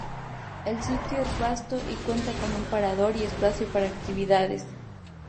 El sitio es vasto, y cuenta con un parador y espacio para actividades.